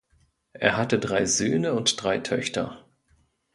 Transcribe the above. Er hatte drei Söhne und drei Töchter.